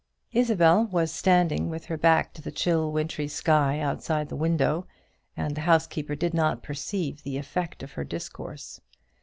'" Isabel was standing with her back to the chill wintry sky outside the window, and the housekeeper did not perceive the effect of her discourse.